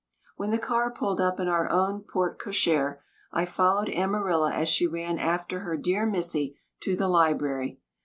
When the car pulled up in our own porte cochère I followed Amarilla as she ran after her dear missie to the library.